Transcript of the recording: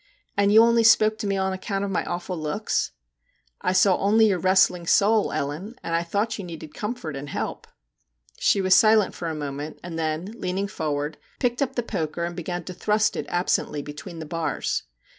And you only spoke to me on account of my awful looks ?'' I saw only your wrestling soul, Ellen, and I thought you needed comfort and help.' She was silent for a moment, and then, leaning forward, picked up the poker and began to thrust it absently between the bars.